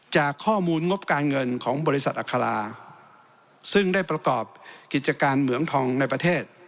จากข้อมูลงบการเงินของบริษัทอัคราซึ่งได้ประกอบกิจการเหมืองทองในประเทศ